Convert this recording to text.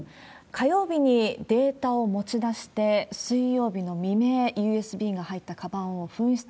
火曜日にデータを持ち出して、水曜日の未明、ＵＳＢが入ったかばんを紛失。